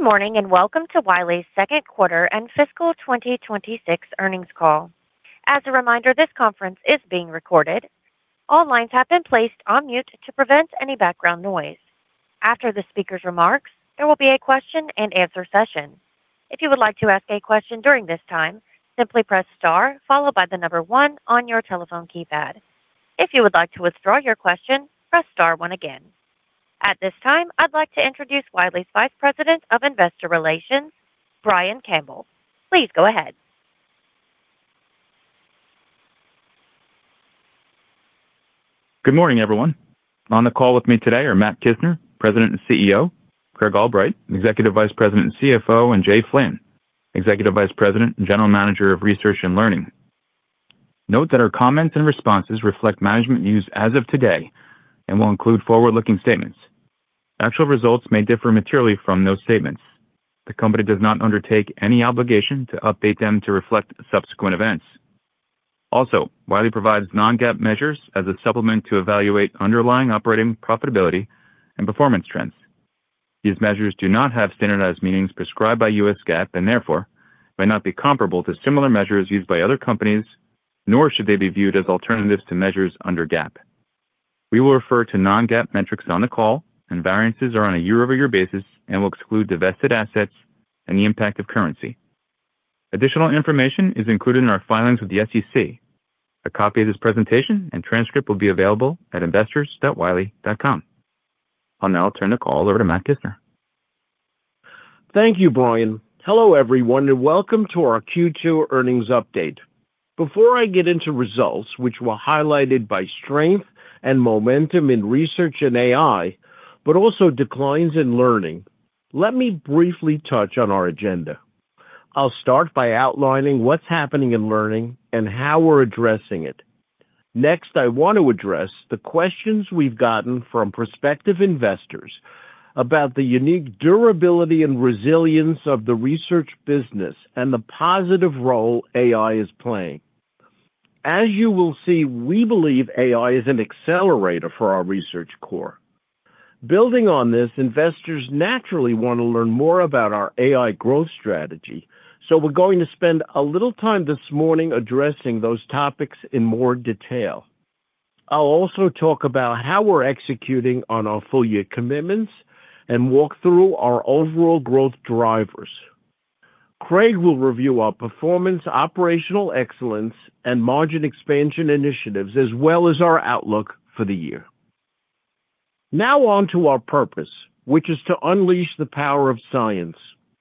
Good morning and welcome to Wiley's second quarter and fiscal 2026 earnings call. As a reminder, this conference is being recorded. All lines have been placed on mute to prevent any background noise. After the speaker's remarks, there will be a question-and-answer session. If you would like to ask a question during this time, simply press star, followed by the number one on your telephone keypad. If you would like to withdraw your question, press star one again. At this time, I'd like to introduce Wiley's Vice President of Investor Relations, Brian Campbell. Please go ahead. Good morning, everyone. On the call with me today are Matt Kissner, President and CEO, Craig Albright, Executive Vice President and CFO, and Jay Flynn, Executive Vice President and General Manager of Research and Learning. Note that our comments and responses reflect management views as of today and will include forward-looking statements. Actual results may differ materially from those statements. The company does not undertake any obligation to update them to reflect subsequent events. Also, Wiley provides non-GAAP measures as a supplement to evaluate underlying operating profitability and performance trends. These measures do not have standardized meanings prescribed by U.S. GAAP and, therefore, may not be comparable to similar measures used by other companies, nor should they be viewed as alternatives to measures under GAAP. We will refer to non-GAAP metrics on the call, and variances are on a year-over-year basis and will exclude divested assets and the impact of currency. Additional information is included in our filings with the SEC. A copy of this presentation and transcript will be available at investors.wiley.com. I'll now turn the call over to Matt Kissner. Thank you, Brian. Hello, everyone, and welcome to our Q2 earnings update. Before I get into results, which were highlighted by strength and momentum in research and AI, but also declines in learning, let me briefly touch on our agenda. I'll start by outlining what's happening in learning and how we're addressing it. Next, I want to address the questions we've gotten from prospective investors about the unique durability and resilience of the research business and the positive role AI is playing. As you will see, we believe AI is an accelerator for our research core. Building on this, investors naturally want to learn more about our AI growth strategy, so we're going to spend a little time this morning addressing those topics in more detail. I'll also talk about how we're executing on our full-year commitments and walk through our overall growth drivers. Craig will review our performance, operational excellence, and margin expansion initiatives, as well as our outlook for the year. Now on to our purpose, which is to unleash the power of science.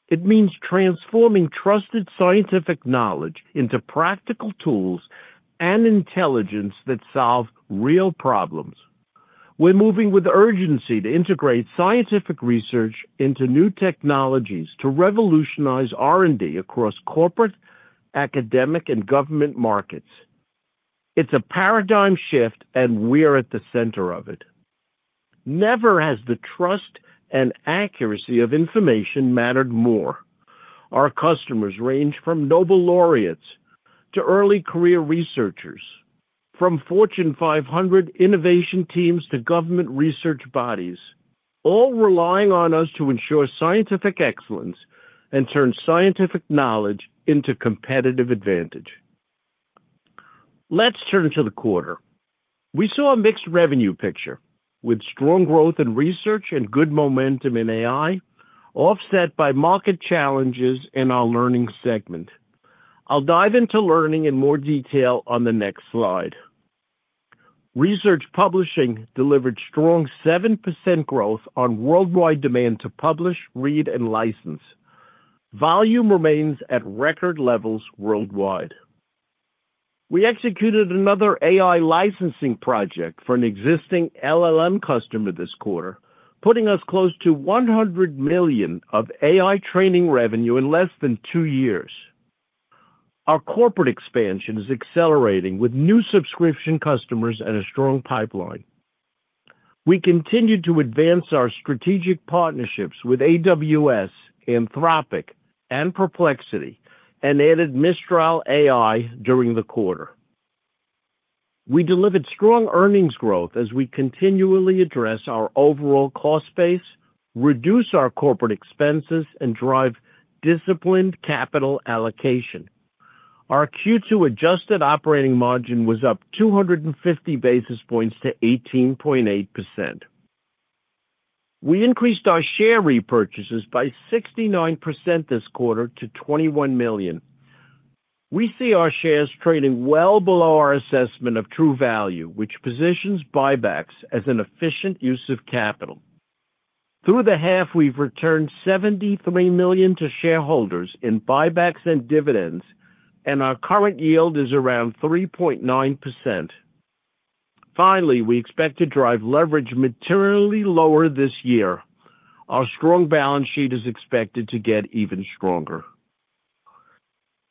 It means transforming trusted scientific knowledge into practical tools and intelligence that solve real problems. We're moving with urgency to integrate scientific research into new technologies to revolutionize R&D across corporate, academic, and government markets. It's a paradigm shift, and we're at the center of it. Never has the trust and accuracy of information mattered more. Our customers range from Nobel laureates to early career researchers, from Fortune 500 innovation teams to government research bodies, all relying on us to ensure scientific excellence and turn scientific knowledge into competitive advantage. Let's turn to the quarter. We saw a mixed revenue picture with strong growth in research and good momentum in AI, offset by market challenges in our learning segment. I'll dive into learning in more detail on the next slide. Research publishing delivered strong 7% growth on worldwide demand to publish, read, and license. Volume remains at record levels worldwide. We executed another AI licensing project for an existing LLM customer this quarter, putting us close to $100 million of AI training revenue in less than two years. Our corporate expansion is accelerating with new subscription customers and a strong pipeline. We continue to advance our strategic partnerships with AWS, Anthropic, and Perplexity, and added Mistral AI during the quarter. We delivered strong earnings growth as we continually address our overall cost base, reduce our corporate expenses, and drive disciplined capital allocation. Our Q2 adjusted operating margin was up 250 bps to 18.8%. We increased our share repurchases by 69% this quarter to 21 million. We see our shares trading well below our assessment of true value, which positions buybacks as an efficient use of capital. Through the half, we've returned 73 million to shareholders in buybacks and dividends, and our current yield is around 3.9%. Finally, we expect to drive leverage materially lower this year. Our strong balance sheet is expected to get even stronger.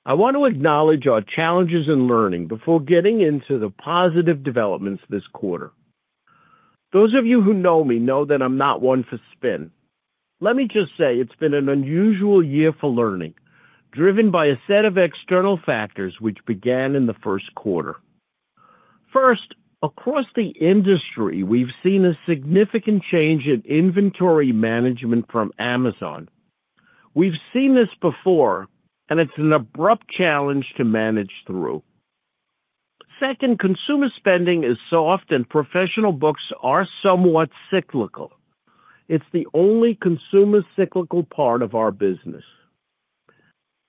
I want to acknowledge our challenges in learning before getting into the positive developments this quarter. Those of you who know me know that I'm not one for spin. Let me just say it's been an unusual year for learning, driven by a set of external factors which began in the first quarter. First, across the industry, we've seen a significant change in inventory management from Amazon. We've seen this before, and it's an abrupt challenge to manage through. Second, consumer spending is soft, and professional books are somewhat cyclical. It's the only consumer cyclical part of our business.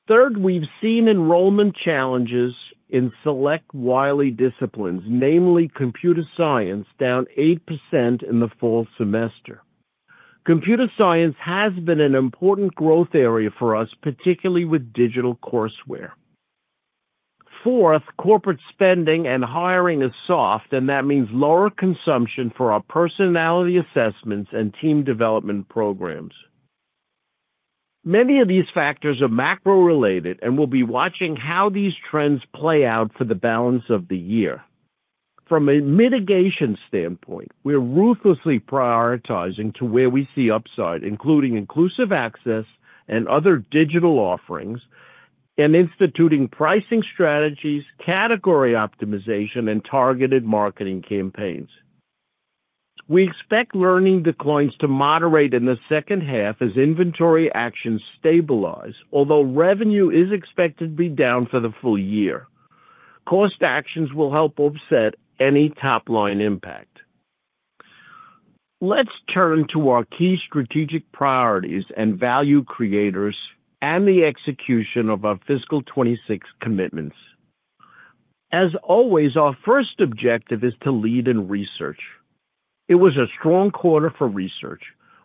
Third, we've seen enrollment challenges in select Wiley disciplines, namely computer science, down 8% in the fall semester. Computer science has been an important growth area for us, particularly with digital courseware. Fourth, corporate spending and hiring is soft, and that means lower consumption for our personality assessments and team development programs. Many of these factors are macro-related, and we'll be watching how these trends play out for the balance of the year. From a mitigation standpoint, we're ruthlessly prioritizing to where we see upside, including inclusive access and other digital offerings, and instituting pricing strategies, category optimization, and targeted marketing campaigns. We expect learning declines to moderate in the second half as inventory actions stabilize, although revenue is expected to be down for the full year. Cost actions will help offset any top-line impact. Let's turn to our key strategic priorities and value creators and the execution of our Fiscal 2026 commitments. As always, our first objective is to lead in research. It was a strong quarter for research,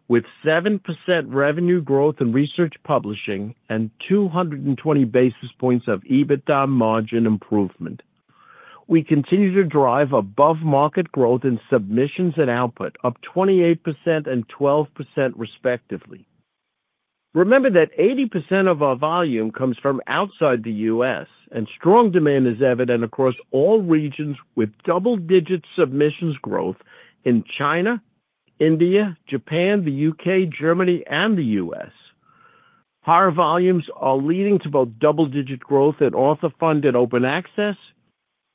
with 7% revenue growth in research publishing and 220 bps of EBITDA margin improvement. We continue to drive above-market growth in submissions and output, up 28% and 12% respectively. Remember that 80% of our volume comes from outside the U.S., and strong demand is evident across all regions with double-digit submissions growth in China, India, Japan, the U.K., Germany, and the U.S. Higher volumes are leading to both double-digit growth in author-funded open access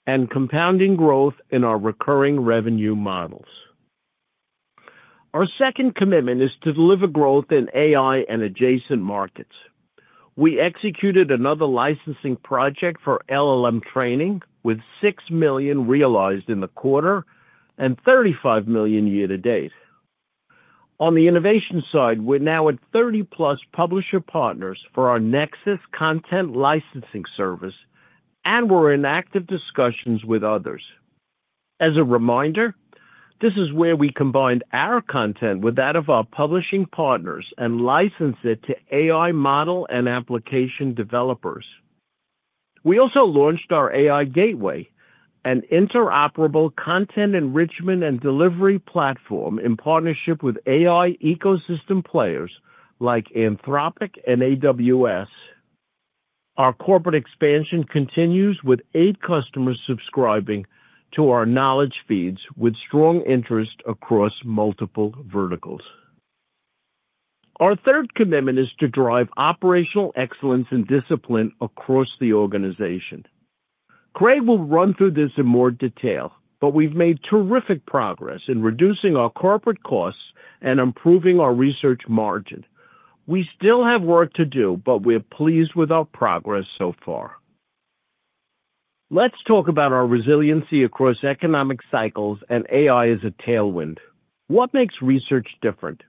and compounding growth in our recurring revenue models. Our second commitment is to deliver growth in AI and adjacent markets. We executed another licensing project for LLM training, with $6 million realized in the quarter and $35 million year-to-date. On the innovation side, we're now at 30+ publisher partners for our Nexus content licensing service, and we're in active discussions with others. As a reminder, this is where we combined our content with that of our publishing partners and licensed it to AI model and application developers. We also launched our AI Gateway, an interoperable content enrichment and delivery platform in partnership with AI ecosystem players like Anthropic and AWS. Our corporate expansion continues with eight customers subscribing to our knowledge feeds with strong interest across multiple verticals. Our third commitment is to drive operational excellence and discipline across the organization. Craig will run through this in more detail, but we've made terrific progress in reducing our corporate costs and improving our research margin. We still have work to do, but we're pleased with our progress so far. Let's talk about our resiliency across economic cycles and AI as a tailwind. What makes research different?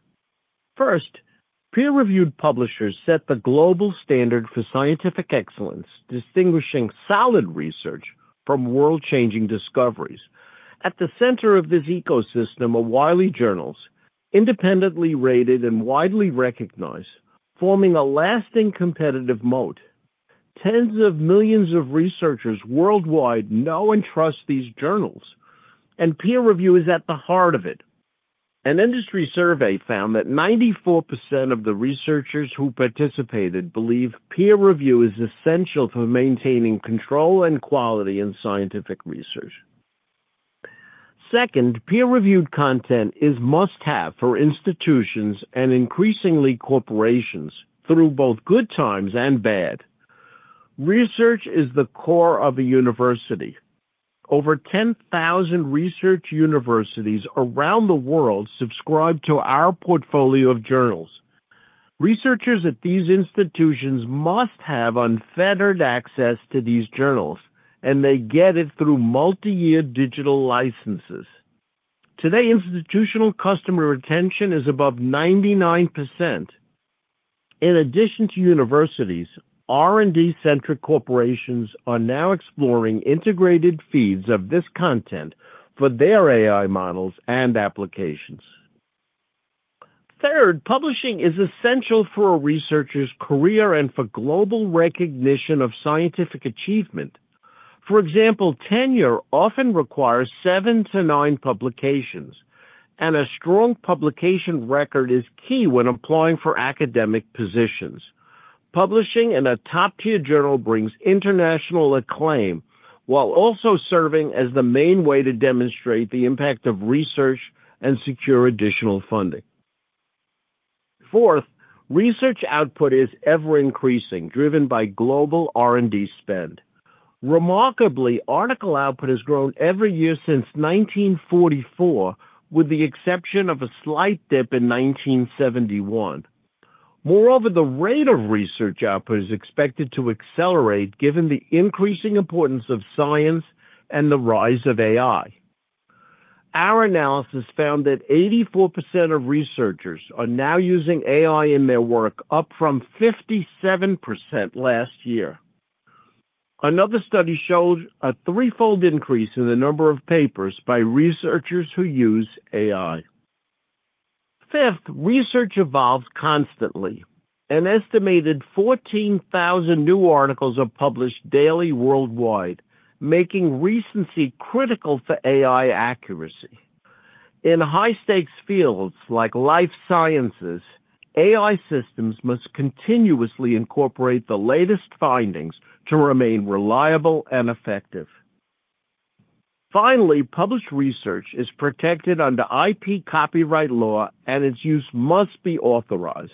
First, peer-reviewed publishers set the global standard for scientific excellence, distinguishing solid research from world-changing discoveries. At the center of this ecosystem are Wiley Journals, independently rated and widely recognized, forming a lasting competitive moat. Tens of millions of researchers worldwide know and trust these journals, and peer review is at the heart of it. An industry survey found that 94% of the researchers who participated believe peer review is essential for maintaining control and quality in scientific research. Second, peer-reviewed content is a must-have for institutions and increasingly corporations through both good times and bad. Research is the core of a university. Over 10,000 research universities around the world subscribe to our portfolio of journals. Researchers at these institutions must have unfettered access to these journals, and they get it through multi-year digital licenses. Today, institutional customer retention is above 99%. In addition to universities, R&D-centric corporations are now exploring integrated feeds of this content for their AI models and applications. Third, publishing is essential for a researcher's career and for global recognition of scientific achievement. For example, tenure often requires seven to nine publications, and a strong publication record is key when applying for academic positions. Publishing in a top-tier journal brings international acclaim while also serving as the main way to demonstrate the impact of research and secure additional funding. Fourth, research output is ever-increasing, driven by global R&D spend. Remarkably, article output has grown every year since 1944, with the exception of a slight dip in 1971. Moreover, the rate of research output is expected to accelerate given the increasing importance of science and the rise of AI. Our analysis found that 84% of researchers are now using AI in their work, up from 57% last year. Another study showed a threefold increase in the number of papers by researchers who use AI. Fifth, research evolves constantly. An estimated 14,000 new articles are published daily worldwide, making recency critical for AI accuracy. In high-stakes fields like life sciences, AI systems must continuously incorporate the latest findings to remain reliable and effective. Finally, published research is protected under IP copyright law, and its use must be authorized.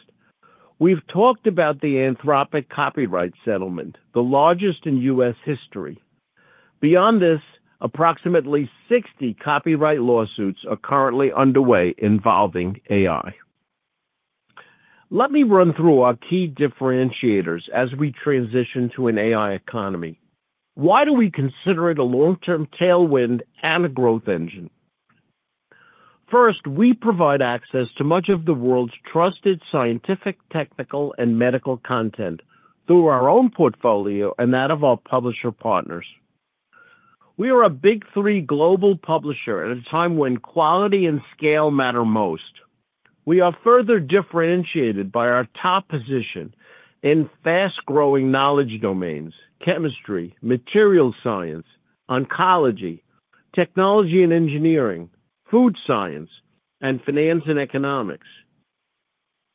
We've talked about the Anthropic copyright settlement, the largest in U.S. history. Beyond this, approximately 60 copyright lawsuits are currently underway involving AI. Let me run through our key differentiators as we transition to an AI economy. Why do we consider it a long-term tailwind and a growth engine? First, we provide access to much of the world's trusted scientific, technical, and medical content through our own portfolio and that of our publisher partners. We are a big three global publisher at a time when quality and scale matter most. We are further differentiated by our top position in fast-growing knowledge domains: chemistry, material science, oncology, technology and engineering, food science, and finance and economics.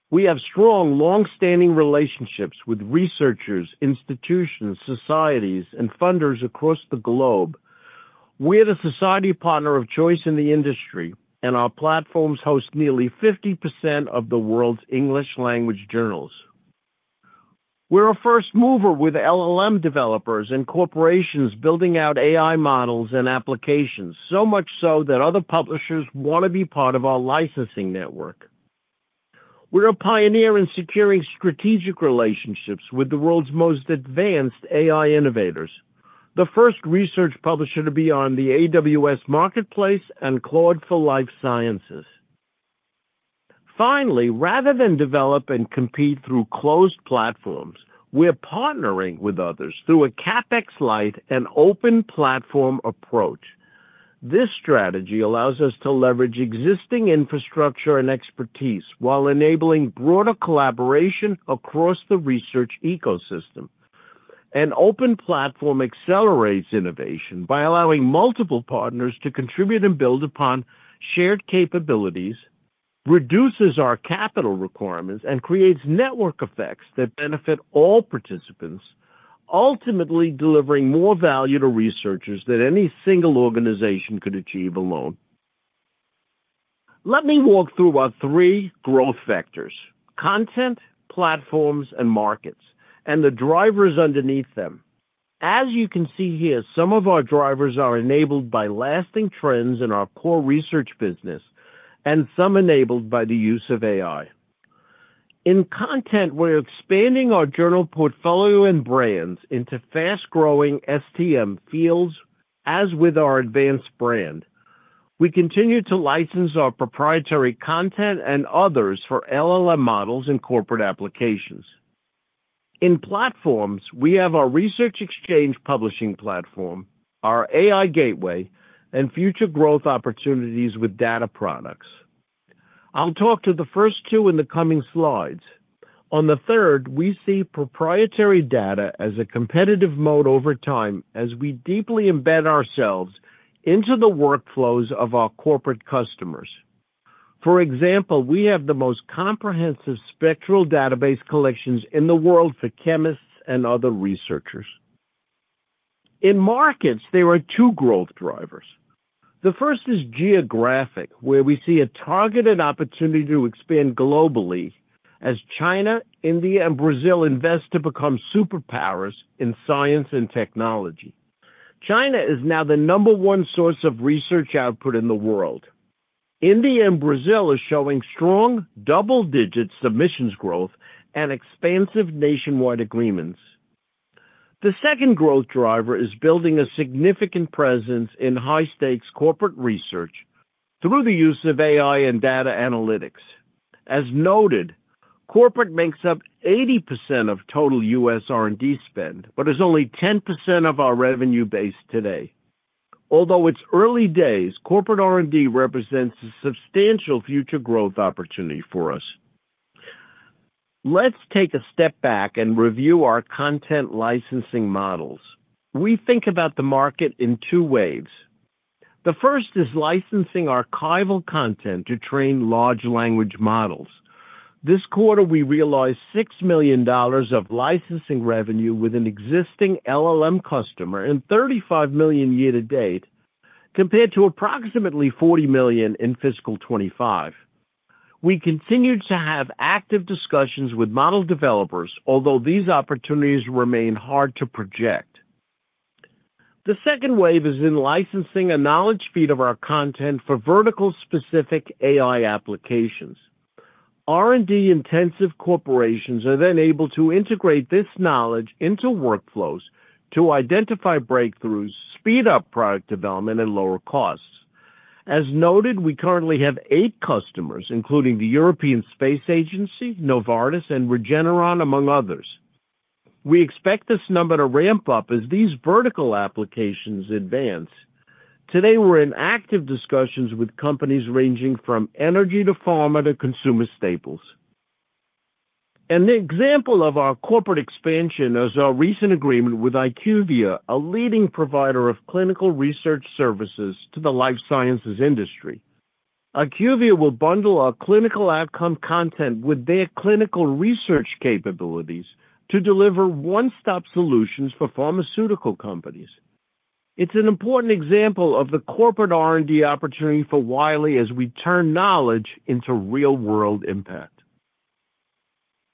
We have strong, long-standing relationships with researchers, institutions, societies, and funders across the globe. We are the society partner of choice in the industry, and our platforms host nearly 50% of the world's English-language journals. We're a first mover with LLM developers and corporations building out AI models and applications, so much so that other publishers want to be part of our licensing network. We're a pioneer in securing strategic relationships with the world's most advanced AI innovators, the first research publisher to be on the AWS Marketplace and Claude for Life Sciences. Finally, rather than develop and compete through closed platforms, we're partnering with others through a CapEx-light and open platform approach. This strategy allows us to leverage existing infrastructure and expertise while enabling broader collaboration across the research ecosystem. An open platform accelerates innovation by allowing multiple partners to contribute and build upon shared capabilities, reduces our capital requirements, and creates network effects that benefit all participants, ultimately delivering more value to researchers than any single organization could achieve alone. Let me walk through our three growth factors: content, platforms, and markets, and the drivers underneath them. As you can see here, some of our drivers are enabled by lasting trends in our core research business and some enabled by the use of AI. In content, we're expanding our journal portfolio and brands into fast-growing STM fields, as with our Advanced brand. We continue to license our proprietary content and others for LLM models and corporate applications. In platforms, we have our Research Exchange publishing platform, our AI Gateway, and future growth opportunities with data products. I'll talk to the first two in the coming slides. On the third, we see proprietary data as a competitive mode over time as we deeply embed ourselves into the workflows of our corporate customers. For example, we have the most comprehensive spectral database collections in the world for chemists and other researchers. In markets, there are two growth drivers. The first is geographic, where we see a targeted opportunity to expand globally as China, India, and Brazil invest to become superpowers in science and technology. China is now the number one source of research output in the world. India and Brazil are showing strong double-digit submissions growth and expansive nationwide agreements. The second growth driver is building a significant presence in high-stakes corporate research through the use of AI and data analytics. As noted, corporate makes up 80% of total U.S. R&D spend, but is only 10% of our revenue base today. Although it's early days, corporate R&D represents a substantial future growth opportunity for us. Let's take a step back and review our content licensing models. We think about the market in two waves. The first is licensing archival content to train large language models. This quarter, we realized $6 million of licensing revenue with an existing LLM customer and $35 million year-to-date, compared to approximately $40 million in Fiscal 2025. We continue to have active discussions with model developers, although these opportunities remain hard to project. The second wave is in licensing a knowledge feed of our content for vertical-specific AI applications. R&D-intensive corporations are then able to integrate this knowledge into workflows to identify breakthroughs, speed up product development, and lower costs. As noted, we currently have eight customers, including the European Space Agency, Novartis, and Regeneron, among others. We expect this number to ramp up as these vertical applications advance. Today, we're in active discussions with companies ranging from energy to pharma to consumer staples. An example of our corporate expansion is our recent agreement with IQVIA, a leading provider of clinical research services to the life sciences industry. IQVIA will bundle our clinical outcome content with their clinical research capabilities to deliver one-stop solutions for pharmaceutical companies. It's an important example of the corporate R&D opportunity for Wiley as we turn knowledge into real-world impact.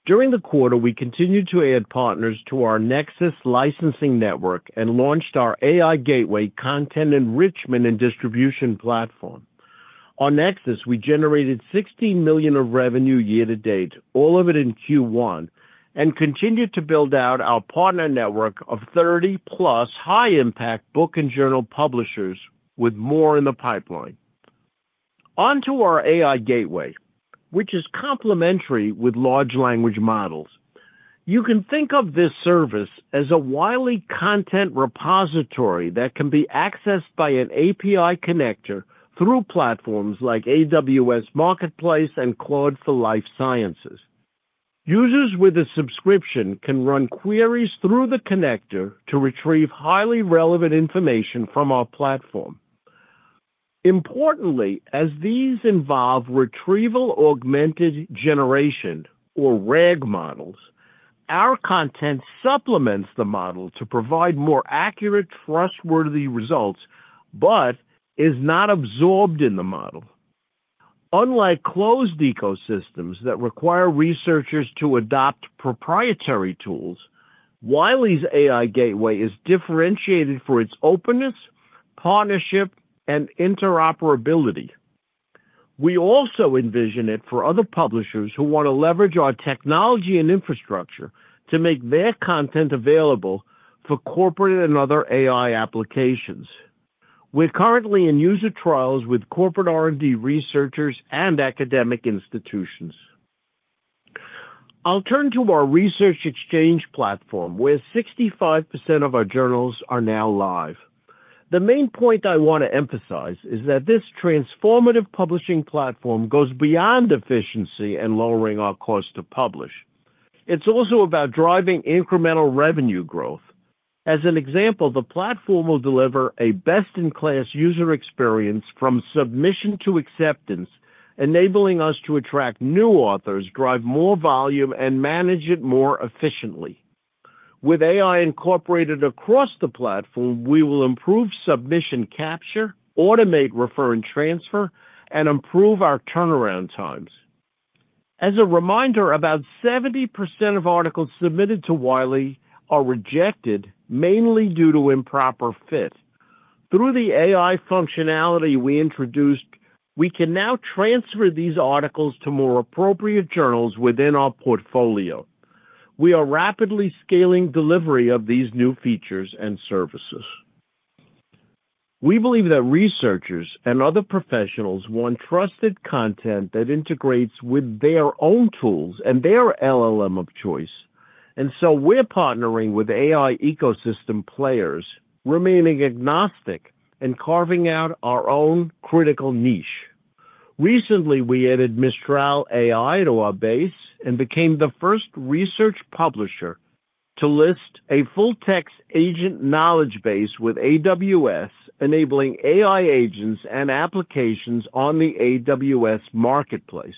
During the quarter, we continued to add partners to our Nexus licensing network and launched our AI Gateway content enrichment and distribution platform. On Nexus, we generated $16 million of revenue year-to-date, all of it in Q1, and continued to build out our partner network of 30+ high-impact book and journal publishers, with more in the pipeline. Onto our AI Gateway, which is complementary with large language models. You can think of this service as a Wiley content repository that can be accessed by an API connector through platforms like AWS Marketplace and Claude for Life Sciences. Users with a subscription can run queries through the connector to retrieve highly relevant information from our platform. Importantly, as these involve retrieval augmented generation, or RAG models, our content supplements the model to provide more accurate, trustworthy results, but is not absorbed in the model. Unlike closed ecosystems that require researchers to adopt proprietary tools, Wiley's AI Gateway is differentiated for its openness, partnership, and interoperability. We also envision it for other publishers who want to leverage our technology and infrastructure to make their content available for corporate and other AI applications. We're currently in user trials with corporate R&D researchers and academic institutions. I'll turn to our Research Exchange platform, where 65% of our journals are now live. The main point I want to emphasize is that this transformative publishing platform goes beyond efficiency and lowering our cost to publish. It's also about driving incremental revenue growth. As an example, the platform will deliver a best-in-class user experience from submission to acceptance, enabling us to attract new authors, drive more volume, and manage it more efficiently. With AI incorporated across the platform, we will improve submission capture, automate refer and transfer, and improve our turnaround times. As a reminder, about 70% of articles submitted to Wiley are rejected, mainly due to improper fit. Through the AI functionality we introduced, we can now transfer these articles to more appropriate journals within our portfolio. We are rapidly scaling delivery of these new features and services. We believe that researchers and other professionals want trusted content that integrates with their own tools and their LLM of choice. And so we're partnering with AI ecosystem players, remaining agnostic and carving out our own critical niche. Recently, we added Mistral AI to our base and became the first research publisher to list a full-text agent knowledge base with AWS, enabling AI agents and applications on the AWS Marketplace.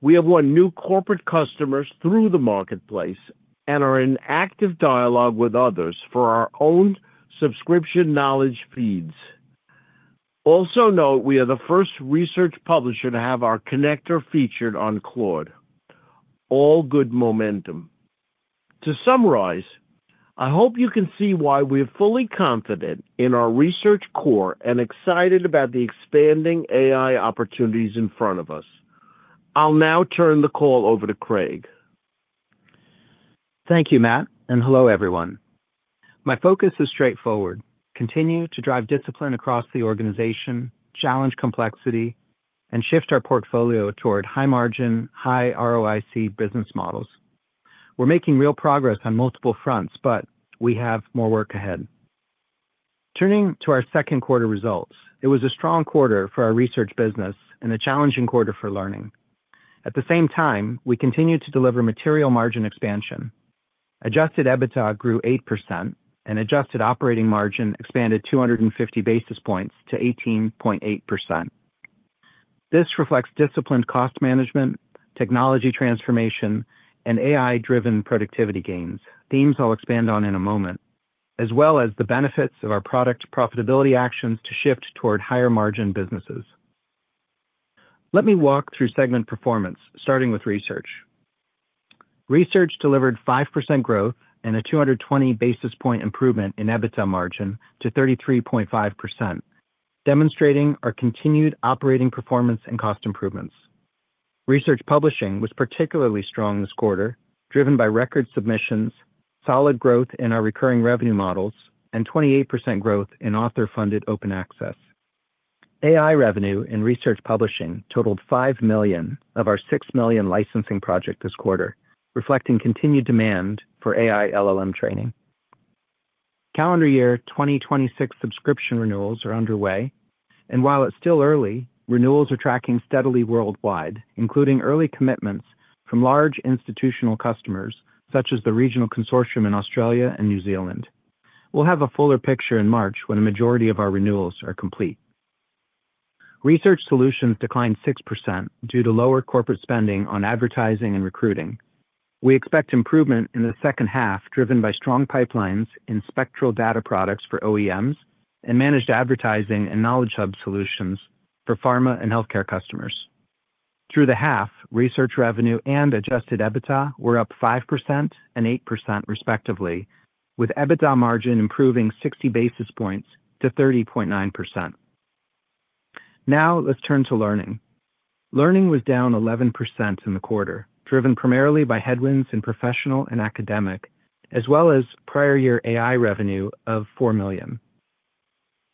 We have won new corporate customers through the Marketplace and are in active dialogue with others for our own subscription knowledge feeds. Also note, we are the first research publisher to have our connector featured on Claude. All good momentum. To summarize, I hope you can see why we are fully confident in our research core and excited about the expanding AI opportunities in front of us. I'll now turn the call over to Craig. Thank you, Matt, and hello, everyone. My focus is straightforward: continue to drive discipline across the organization, challenge complexity, and shift our portfolio toward high-margin, high-ROIC business models. We're making real progress on multiple fronts, but we have more work ahead. Turning to our second quarter results, it was a strong quarter for our research business and a challenging quarter for learning. At the same time, we continued to deliver material margin expansion. Adjusted EBITDA grew 8%, and adjusted operating margin expanded 250 bps to 18.8%. This reflects disciplined cost management, technology transformation, and AI-driven productivity gains, themes I'll expand on in a moment, as well as the benefits of our product profitability actions to shift toward higher-margin businesses. Let me walk through segment performance, starting with research. Research delivered 5% growth and a 220 bpt improvement in EBITDA margin to 33.5%, demonstrating our continued operating performance and cost improvements. Research publishing was particularly strong this quarter, driven by record submissions, solid growth in our recurring revenue models, and 28% growth in author-funded open access. AI revenue in research publishing totaled $5 million of our $6 million licensing project this quarter, reflecting continued demand for AI LLM training. Calendar year 2026 subscription renewals are underway, and while it's still early, renewals are tracking steadily worldwide, including early commitments from large institutional customers, such as the regional consortium in Australia and New Zealand. We'll have a fuller picture in March when a majority of our renewals are complete. Research solutions declined 6% due to lower corporate spending on advertising and recruiting. We expect improvement in the second half, driven by strong pipelines in spectral data products for OEMs and managed advertising and knowledge hub solutions for pharma and healthcare customers. Through the half, research revenue and Adjusted EBITDA were up 5% and 8%, respectively, with Adjusted EBITDA margin improving 60 bps to 30.9%. Now let's turn to learning. Learning was down 11% in the quarter, driven primarily by headwinds in professional and academic, as well as prior year AI revenue of $4 million.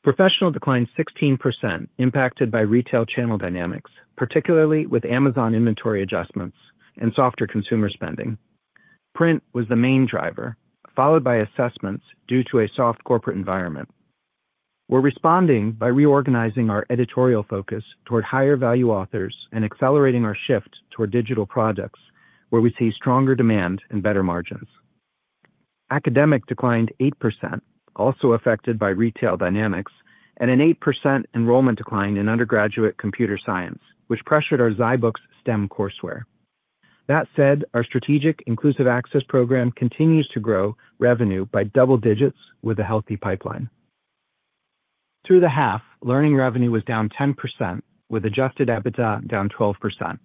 Professional declined 16%, impacted by retail channel dynamics, particularly with Amazon inventory adjustments and softer consumer spending. Print was the main driver, followed by assessments due to a soft corporate environment. We're responding by reorganizing our editorial focus toward higher-value authors and accelerating our shift toward digital products, where we see stronger demand and better margins. Academic declined 8%, also affected by retail dynamics, and an 8% enrollment decline in undergraduate computer science, which pressured our ZyBooks STEM courseware. That said, our strategic inclusive access program continues to grow revenue by double digits with a healthy pipeline. Through the half, learning revenue was down 10%, with Adjusted EBITDA down 12%.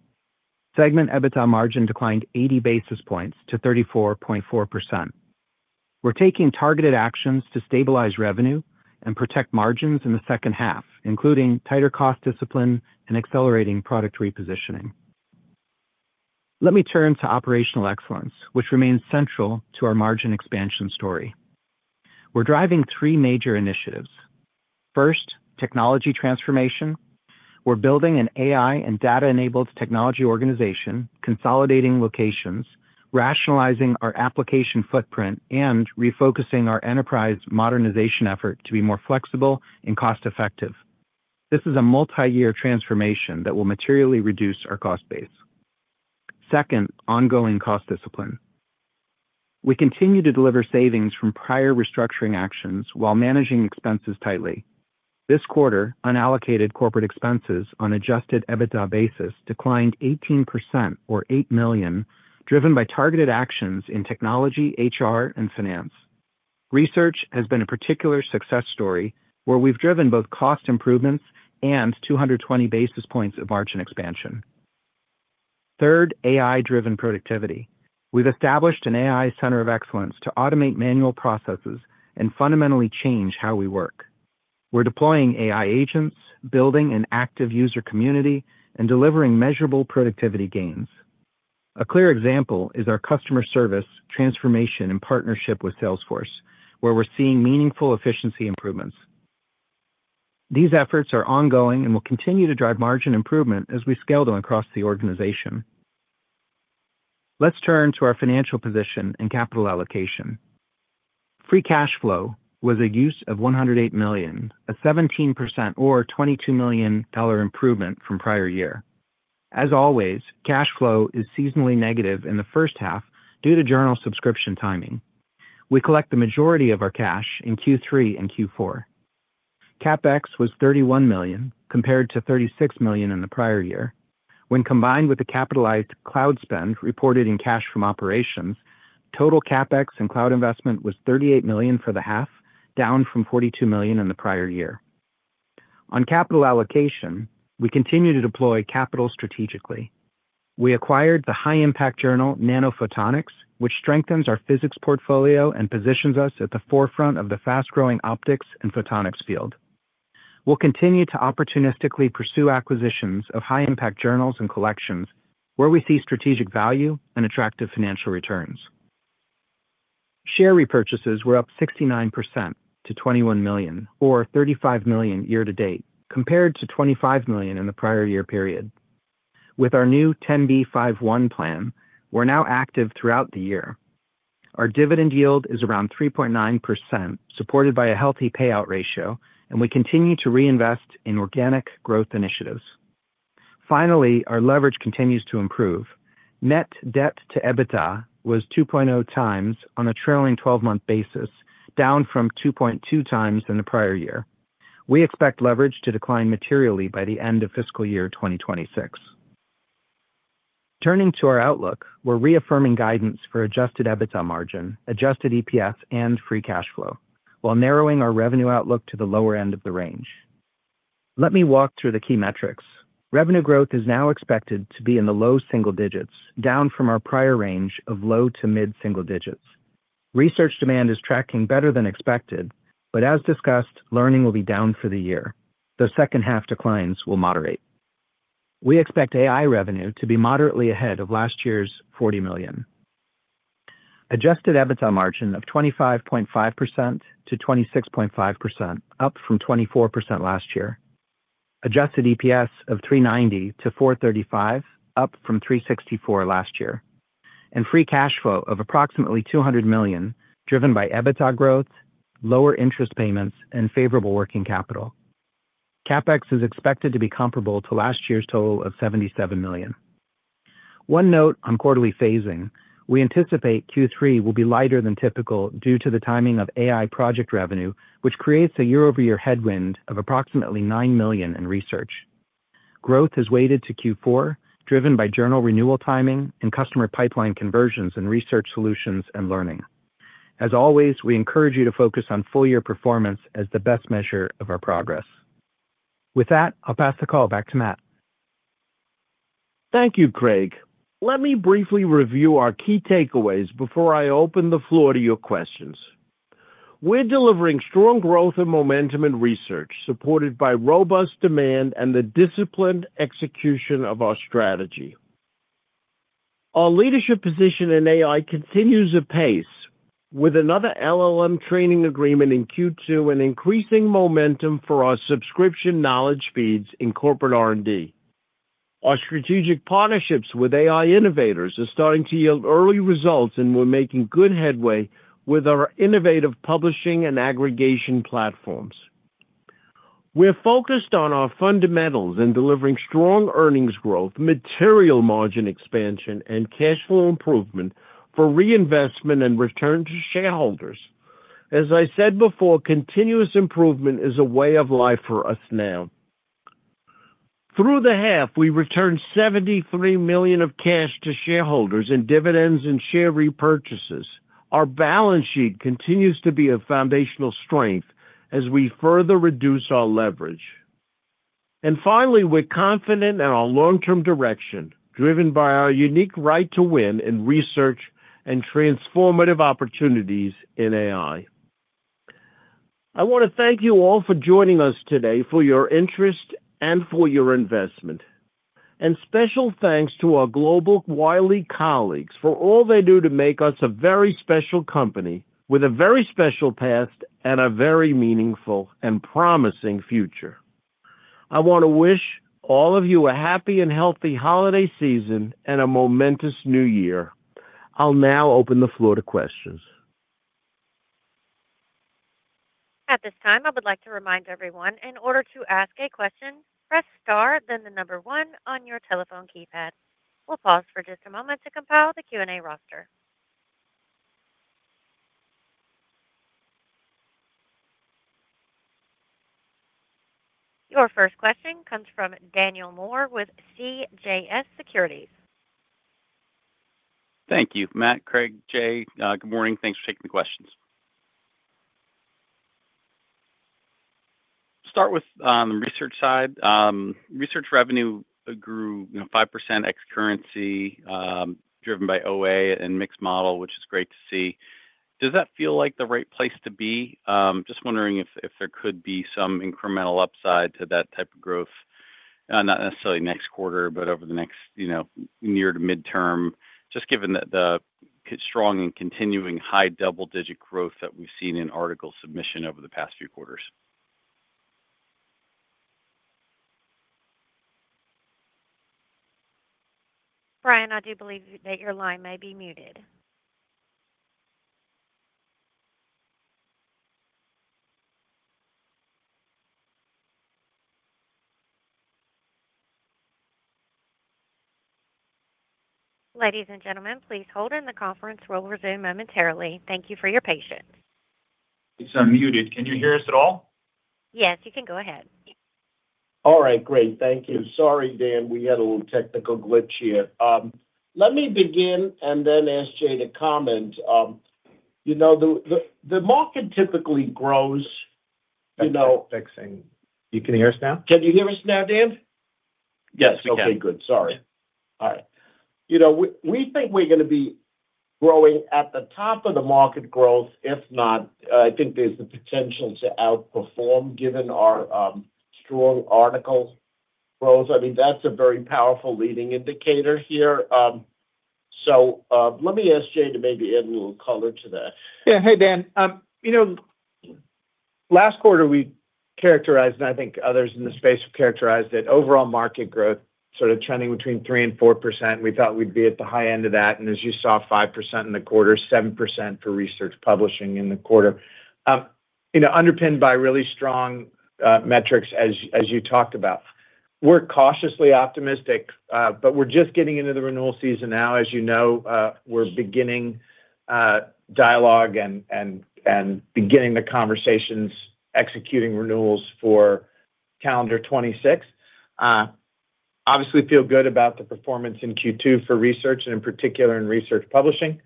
Segment EBITDA margin declined 80 bps to 34.4%. We're taking targeted actions to stabilize revenue and protect margins in the second half, including tighter cost discipline and accelerating product repositioning. Let me turn to operational excellence, which remains central to our margin expansion story. We're driving three major initiatives. First, technology transformation. We're building an AI and data-enabled technology organization, consolidating locations, rationalizing our application footprint, and refocusing our enterprise modernization effort to be more flexible and cost-effective. This is a multi-year transformation that will materially reduce our cost base. Second, ongoing cost discipline. We continue to deliver savings from prior restructuring actions while managing expenses tightly. This quarter, unallocated corporate expenses on Adjusted EBITDA basis declined 18%, or $8 million, driven by targeted actions in technology, HR, and finance. Research has been a particular success story, where we've driven both cost improvements and 220 bps of margin expansion. Third, AI-driven productivity. We've established an AI center of excellence to automate manual processes and fundamentally change how we work. We're deploying AI agents, building an active user community, and delivering measurable productivity gains. A clear example is our customer service transformation in partnership with Salesforce, where we're seeing meaningful efficiency improvements. These efforts are ongoing and will continue to drive margin improvement as we scale them across the organization. Let's turn to our financial position and capital allocation. Free cash flow was a use of $108 million, a 17% or $22 million improvement from prior year. As always, cash flow is seasonally negative in the first half due to journal subscription timing. We collect the majority of our cash in Q3 and Q4. CapEx was $31 million, compared to $36 million in the prior year. When combined with the capitalized cloud spend reported in cash from operations, total CapEx and cloud investment was $38 million for the half, down from $42 million in the prior year. On capital allocation, we continue to deploy capital strategically. We acquired the high-impact journal nanophotonics, which strengthens our physics portfolio and positions us at the forefront of the fast-growing optics and photonics field. We'll continue to opportunistically pursue acquisitions of high-impact journals and collections, where we see strategic value and attractive financial returns. Share repurchases were up 69% to $21 million, or $35 million year-to-date, compared to $25 million in the prior year period. With our new 10b5-1 plan, we're now active throughout the year. Our dividend yield is around 3.9%, supported by a healthy payout ratio, and we continue to reinvest in organic growth initiatives. Finally, our leverage continues to improve. Net debt to EBITDA was 2.0 times on a trailing 12-month basis, down from 2.2 times in the prior year. We expect leverage to decline materially by the end of fiscal year 2026. Turning to our outlook, we're reaffirming guidance for adjusted EBITDA margin, adjusted EPS, and free cash flow, while narrowing our revenue outlook to the lower end of the range. Let me walk through the key metrics. Revenue growth is now expected to be in the low single digits, down from our prior range of low to mid single digits. Research demand is tracking better than expected, but as discussed, learning will be down for the year, though second-half declines will moderate. We expect AI revenue to be moderately ahead of last year's $40 million. Adjusted EBITDA margin of 25.5% to 26.5%, up from 24% last year. Adjusted EPS of $3.90 to $4.35, up from $3.64 last year. Free cash flow of approximately $200 million, driven by EBITDA growth, lower interest payments, and favorable working capital. CapEx is expected to be comparable to last year's total of $77 million. One note on quarterly phasing: we anticipate Q3 will be lighter than typical due to the timing of AI project revenue, which creates a year-over-year headwind of approximately $9 million in research. Growth is weighted to Q4, driven by journal renewal timing and customer pipeline conversions in research solutions and learning. As always, we encourage you to focus on full-year performance as the best measure of our progress. With that, I'll pass the call back to Matt. Thank you, Craig. Let me briefly review our key takeaways before I open the floor to your questions. We're delivering strong growth and momentum in research, supported by robust demand and the disciplined execution of our strategy. Our leadership position in AI continues to pace, with another LLM training agreement in Q2 and increasing momentum for our subscription knowledge feeds in corporate R&D. Our strategic partnerships with AI innovators are starting to yield early results, and we're making good headway with our innovative publishing and aggregation platforms. We're focused on our fundamentals and delivering strong earnings growth, material margin expansion, and cash flow improvement for reinvestment and return to shareholders. As I said before, continuous improvement is a way of life for us now. Through the half, we returned $73 million of cash to shareholders in dividends and share repurchases. Our balance sheet continues to be a foundational strength as we further reduce our leverage. And finally, we're confident in our long-term direction, driven by our unique right to win in research and transformative opportunities in AI. I want to thank you all for joining us today for your interest and for your investment, and special thanks to our global Wiley colleagues for all they do to make us a very special company with a very special past and a very meaningful and promising future. I want to wish all of you a happy and healthy holiday season and a momentous new year. I'll now open the floor to questions. At this time, I would like to remind everyone, in order to ask a question, press star, then the number one on your telephone keypad. We'll pause for just a moment to compile the Q&A roster. Your first question comes from Daniel Moore with CJS Securities. Thank you. Matt, Craig, Jay, good morning. Thanks for taking the questions. Start with the research side. Research revenue grew 5% ex-currency, driven by OA and mixed model, which is great to see. Does that feel like the right place to be? Just wondering if there could be some incremental upside to that type of growth, not necessarily next quarter, but over the next near to midterm, just given the strong and continuing high double-digit growth that we've seen in article submission over the past few quarters. Brian, I do believe that your line may be muted. Ladies and gentlemen, please hold, and the conference will resume momentarily. Thank you for your patience. It's unmuted. Can you hear us at all? Yes, you can go ahead. All right, great. Thank you. Sorry, Dan, we had a little technical glitch here. Let me begin and then ask Jay to comment. The market typically grows. That's what we're fixing. You can hear us now? Can you hear us now, Dan? Yes, you can. Okay, good. Sorry. All right. We think we're going to be growing at the top of the market growth. If not, I think there's the potential to outperform, given our strong article growth. I mean, that's a very powerful leading indicator here. So let me ask Jay to maybe add a little color to that. Yeah. Hey, Dan. Last quarter, we characterized, and I think others in the space have characterized it, overall market growth sort of trending between 3% and 4%. We thought we'd be at the high end of that. And as you saw, 5% in the quarter, 7% for research publishing in the quarter, underpinned by really strong metrics, as you talked about. We're cautiously optimistic, but we're just getting into the renewal season now. As you know, we're beginning dialogue and beginning the conversations, executing renewals for calendar 2026. Obviously, feel good about the performance in Q2 for research, and in particular, in research publishing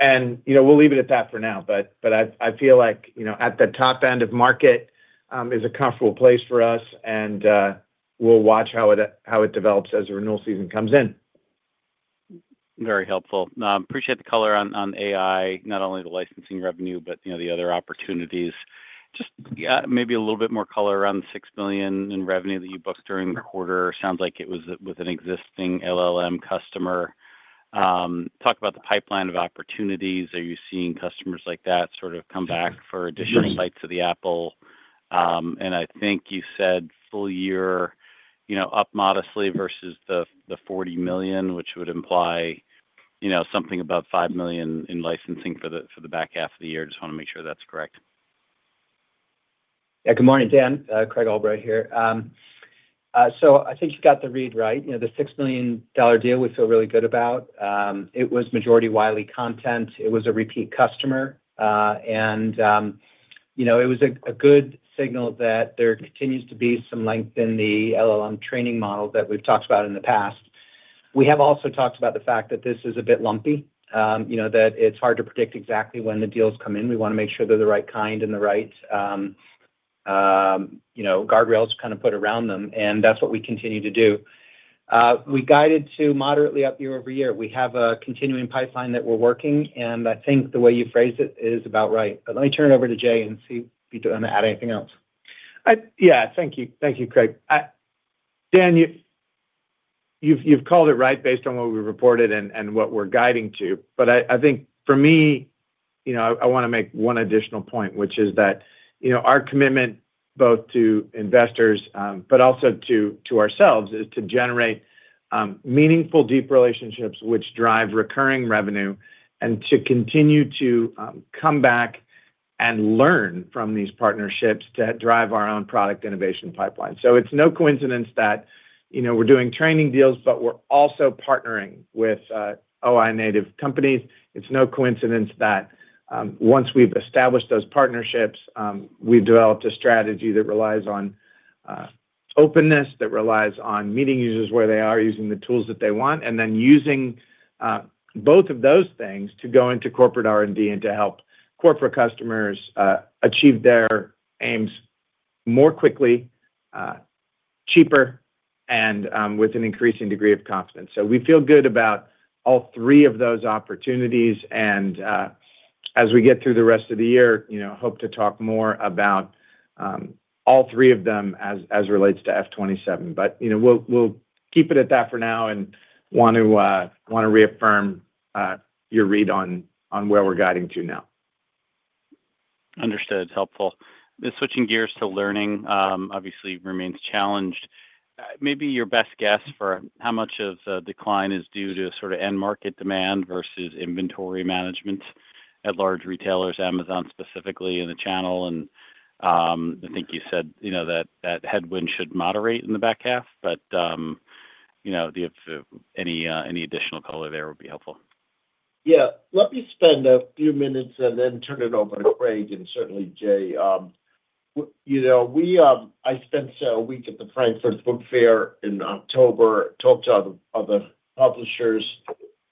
and we'll leave it at that for now. But I feel like at the top end of market is a comfortable place for us, and we'll watch how it develops as the renewal season comes in. Very helpful. Appreciate the color on AI, not only the licensing revenue, but the other opportunities. Just maybe a little bit more color around the $6 billion in revenue that you booked during the quarter. Sounds like it was with an existing LLM customer. Talk about the pipeline of opportunities. Are you seeing customers like that sort of come back for additional bites of the apple? I think you said full year up modestly versus the $40 million, which would imply something about $5 million in licensing for the back half of the year. Just want to make sure that's correct. Yeah. Good morning, Dan. Craig Albright here. So I think you got the read right. The $6 million deal, we feel really good about. It was majority Wiley content. It was a repeat customer. And it was a good signal that there continues to be some length in the LLM training model that we've talked about in the past. We have also talked about the fact that this is a bit lumpy, that it's hard to predict exactly when the deals come in. We want to make sure they're the right kind and the right guardrails kind of put around them. And that's what we continue to do. We guided to moderately up year-over-year. We have a continuing pipeline that we're working, and I think the way you phrased it is about right, but let me turn it over to Jay and see if he can add anything else. Yeah. Thank you. Thank you, Craig. Dan, you've called it right based on what we reported and what we're guiding to, but I think for me, I want to make one additional point, which is that our commitment, both to investors but also to ourselves, is to generate meaningful, deep relationships which drive recurring revenue and to continue to come back and learn from these partnerships to drive our own product innovation pipeline, so it's no coincidence that we're doing training deals, but we're also partnering with AI-native companies. It's no coincidence that once we've established those partnerships, we've developed a strategy that relies on openness, that relies on meeting users where they are using the tools that they want, and then using both of those things to go into corporate R&D and to help corporate customers achieve their aims more quickly, cheaper, and with an increasing degree of confidence. So we feel good about all three of those opportunities. And as we get through the rest of the year, hope to talk more about all three of them as it relates to FY 2027. But we'll keep it at that for now and want to reaffirm your read on where we're guiding to now. Understood. Helpful. Switching gears to learning, obviously, remains challenged. Maybe your best guess for how much of the decline is due to sort of end market demand versus inventory management at large retailers, Amazon specifically, and the channel? And I think you said that headwind should moderate in the back half, but any additional color there would be helpful. Yeah. Let me spend a few minutes and then turn it over to Craig and certainly Jay. I spent a week at the Frankfurt Book Fair in October, talked to other publishers,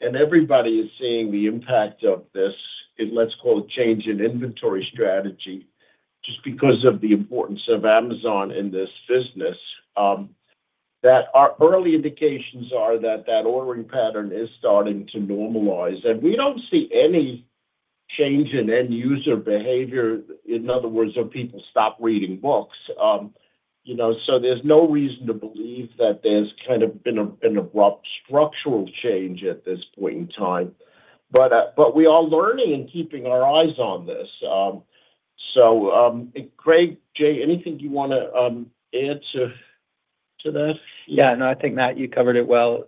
and everybody is seeing the impact of this, let's call it, change in inventory strategy just because of the importance of Amazon in this business. That our early indications are that that ordering pattern is starting to normalize, and we don't see any change in end user behavior, in other words, of people stop reading books. So there's no reason to believe that there's kind of been an abrupt structural change at this point in time. But we are learning and keeping our eyes on this. So Craig, Jay, anything you want to add to that? Yeah. No, I think, Matt, you covered it well.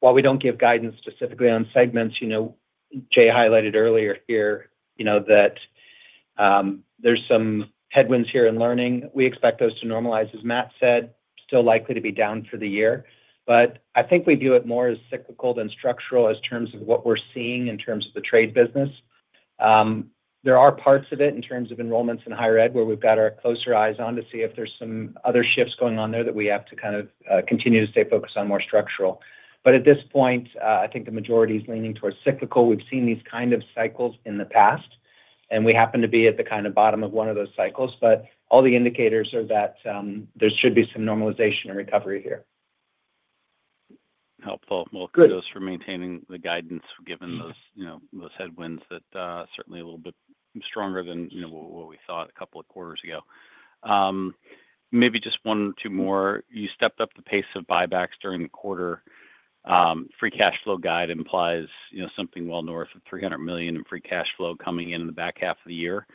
While we don't give guidance specifically on segments, Jay highlighted earlier here that there's some headwinds here in learning. We expect those to normalize, as Matt said, still likely to be down for the year. But I think we view it more as cyclical than structural in terms of what we're seeing in terms of the trade business. There are parts of it in terms of enrollments in higher ed where we've got a closer eye on to see if there's some other shifts going on there that we have to kind of continue to stay focused on more structural. But at this point, I think the majority is leaning towards cyclical. We've seen these kind of cycles in the past, and we happen to be at the kind of bottom of one of those cycles. But all the indicators are that there should be some normalization and recovery here. Helpful. Well, kudos for maintaining the guidance, given those headwinds that are certainly a little bit stronger than what we thought a couple of quarters ago. Maybe just one or two more. You stepped up the pace of buybacks during the quarter. Free cash flow guide implies something well north of $300 million in free cash flow coming in in the back half of the year.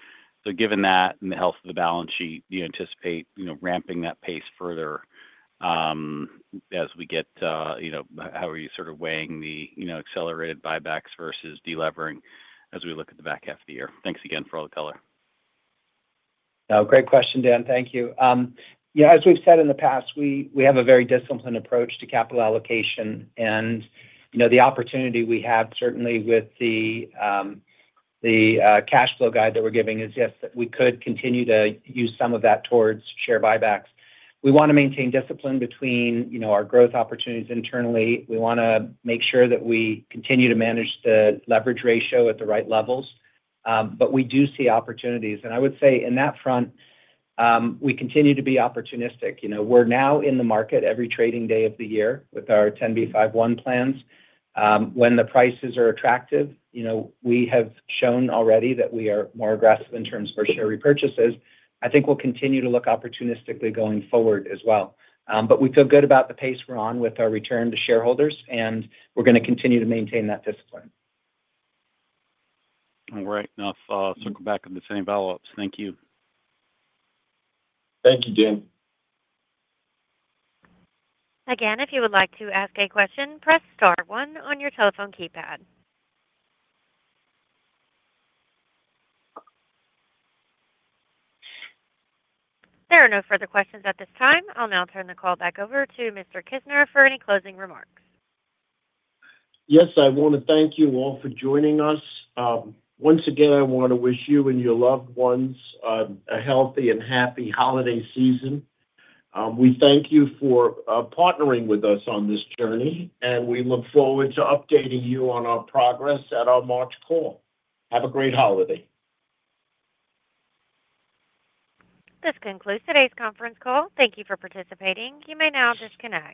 So given that and the health of the balance sheet, do you anticipate ramping that pace further as we get, how are you sort of weighing the accelerated buybacks versus delevering as we look at the back half of the year? Thanks again for all the color. Great question, Dan. Thank you. As we've said in the past, we have a very disciplined approach to capital allocation. And the opportunity we have, certainly with the cash flow guide that we're giving, is yes, we could continue to use some of that towards share buybacks. We want to maintain discipline between our growth opportunities internally. We want to make sure that we continue to manage the leverage ratio at the right levels. But we do see opportunities. And I would say in that front, we continue to be opportunistic. We're now in the market every trading day of the year with our 10b5-1 plans. When the prices are attractive, we have shown already that we are more aggressive in terms of our share repurchases. I think we'll continue to look opportunistically going forward as well. But we feel good about the pace we're on with our return to shareholders, and we're going to continue to maintain that discipline. All right. I'll circle back on the same follow-ups. Thank you. Thank you, Dan. Again, if you would like to ask a question, press star one on your telephone keypad. There are no further questions at this time. I'll now turn the call back over to Mr. Kissner for any closing remarks. Yes. I want to thank you all for joining us. Once again, I want to wish you and your loved ones a healthy and happy holiday season. We thank you for partnering with us on this journey, and we look forward to updating you on our progress at our March call. Have a great holiday. This concludes today's conference call. Thank you for participating. You may now disconnect.